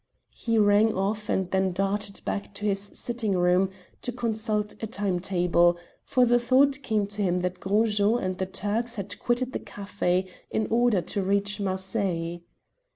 He rang off and then darted back to his sitting room to consult a time table, for the thought came to him that Gros Jean and the Turks had quitted the café in order to reach Marseilles.